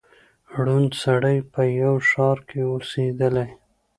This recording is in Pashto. ړوند سړی په یوه ښار کي اوسېدلی